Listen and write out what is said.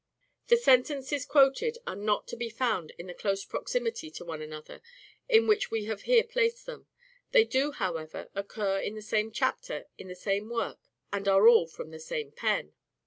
The sentences quoted are not to be found in the close proximity to one another in which we have here placed them. They do, however, occur in the same chapter of the same work and are all from the same pen.